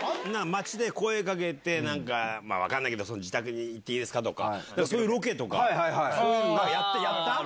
街で声かけて分かんないけど自宅に行っていいですか？とかそういうロケとかやった？